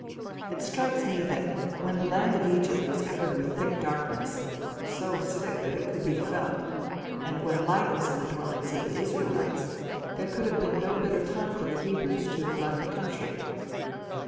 It strikes me that when the land of Egypt was covered with thick darkness so thick that it could be felt, and when light was in the dwellings of the Israelites, there could have been no better time for the Hebrews to have left the country.